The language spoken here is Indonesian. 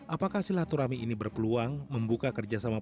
apakah silaturahmi ini berpeluang membuka kerjasama